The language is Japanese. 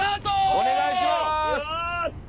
お願いします！